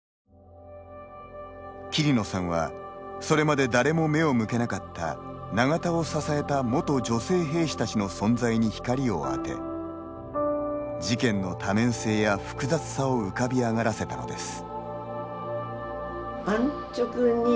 桐野さんはそれまで誰も目を向けなかった永田を支えた元女性兵士たちの存在に光を当て事件の多面性や複雑さを浮かび上がらせたのです。